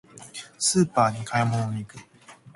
スーパーに買い物に行く。